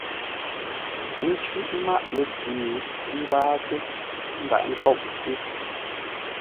Ə́ cʉ́ʼ mâʼ lə̂ tʉ̌, ə́ ngwáatə́; ə́ ndaghʼ ńkôʼ tʉ̌.